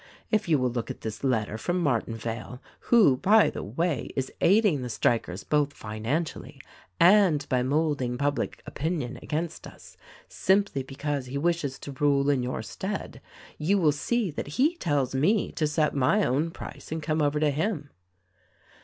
If you will look at this letter from Martinvale — who, by the way, is aiding the strikers both financially and by molding public opinion against us, simply because he wishes to rule in your stead — you will see that he tells me to set my own price and come over to him."